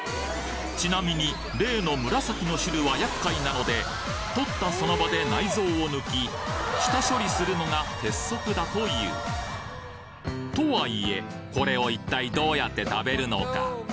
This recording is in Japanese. ちなみに例の紫の汁は厄介なのでとったその場で内臓を抜き下処理するのが鉄則だというとはいえこれを一体どうやって食べるのか？